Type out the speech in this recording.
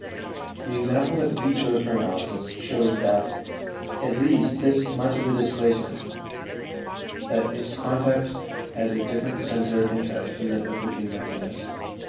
The example that we chose for analysis shows, at least, this much of displacement that its content has a different center of interest from that of the dream ideas.